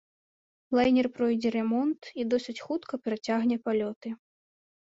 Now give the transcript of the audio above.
Лайнер пройдзе рамонт і досыць хутка працягне палёты.